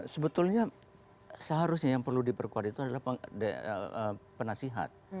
sebetulnya seharusnya yang perlu diperkuat itu adalah penasihat